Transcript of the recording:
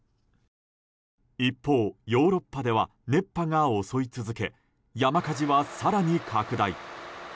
一方、ヨーロッパでは熱波が襲い続け山火事は、更に拡大。